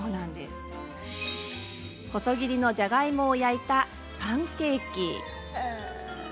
細切りのじゃがいもを焼いたパンケーキ。